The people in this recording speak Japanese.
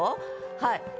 はい。